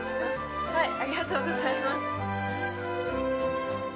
ありがとうございます。